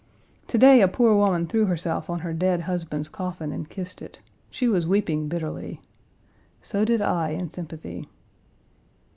To day, a poor woman threw herself on her dead husband's coffin and kissed it. She was weeping bitterly. So did I in sympathy.